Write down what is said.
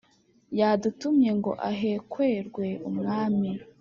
yadutumye ngo ahekwerwe umwami"